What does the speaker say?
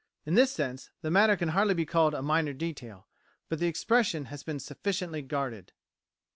In this sense the matter can hardly be called a minor detail, but the expression has been sufficiently guarded.